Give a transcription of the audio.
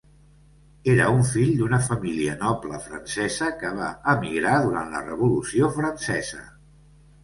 Era un fill d'una família noble francesa que va emigrar durant la revolució francesa.